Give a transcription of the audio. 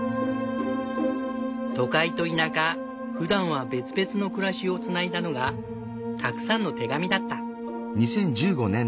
都会と田舎ふだんは別々の暮らしをつないだのがたくさんの手紙だった。